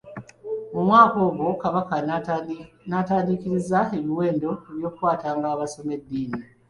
Mu mwaka ogwo, Kabaka n'atandiikiriza ebiwendo eby'okukwatanga abasoma eddiini.